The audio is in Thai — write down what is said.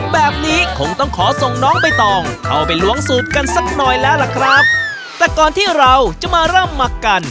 แบบนี้คงต้องขอส่งน้องใบตองเข้าไปล้วงสูตรกันสักหน่อยแล้วล่ะครับแต่ก่อนที่เราจะมาเริ่มหมักกัน